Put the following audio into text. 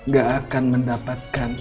gak akan mendapatkan